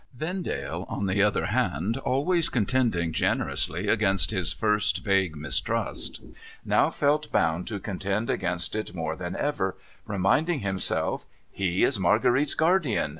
Vendale, on the other hand, always contending generously against his first vague mistrust, now felt bound to contend against it more than ever : reminding himself, ' He is Marguerite's guardian.